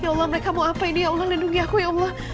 ya allah mereka mau apa dia allah lindungi aku ya allah